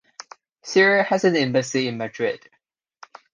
Syria has an embassy in Madrid.